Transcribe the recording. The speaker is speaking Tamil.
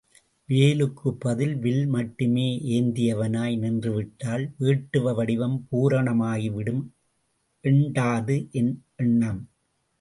வேலுக்குப் பதில் வில் மட்டுமே ஏந்தியவனாய் நின்றுவிட்டால், வேட்டுவ வடிவம் பூரணமாகி விடும் என்டாது என் எண்ணம்.